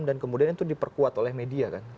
dan kemudian itu diperkuat oleh media kan